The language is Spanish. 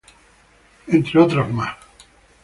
Entre otras más.